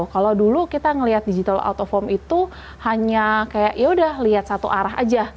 kalau dulu kita ngeliat digital out of home itu hanya kayak yaudah lihat satu arah aja